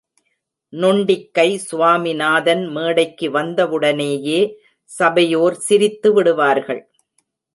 நொண்டிக் கை சுவாமிநாதன் மேடைக்கு வந்தவுடனேயே சபையோர் சிரித்து விடுவார்கள்.